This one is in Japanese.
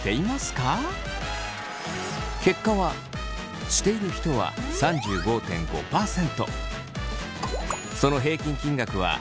結果はしている人は３５．５％。